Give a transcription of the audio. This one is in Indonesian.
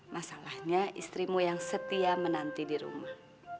masalahnya istrimu yang setia menanti di rumah